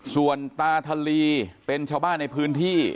ส่วนตาทะลีเป็นชาวบ้านในพื้นที่